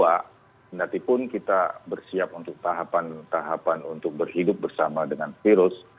walaupun kita bersiap untuk tahapan tahapan untuk berhidup bersama dengan virus